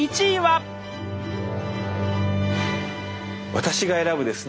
私が選ぶですね